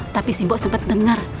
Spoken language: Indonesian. tapi simbo sempet denger